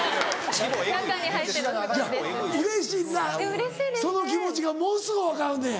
うれしいその気持ちがものすごい分かるねん。